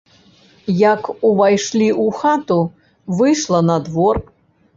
Як увайшлі ў хату, выйшла на двор.